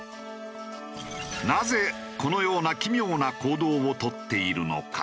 なぜこのような奇妙な行動を取っているのか？